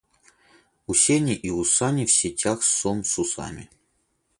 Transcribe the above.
У Сени и Сани в сетях сом с усами.